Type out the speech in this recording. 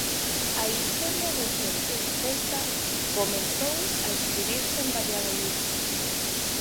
A historia recente do Celta comezou a escribirse en Valladolid.